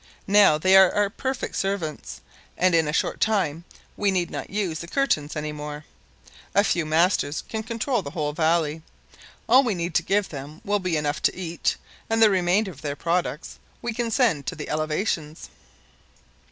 Now they are our perfect servants, and in a short time we need not use the curtains any more. A few masters can control the whole valley. All we need to give them will be enough to eat, and the remainder of their products we can send to the elevations."